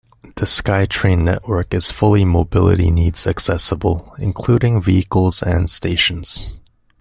The SkyTrain network is fully mobility-needs accessible, including vehicles and stations.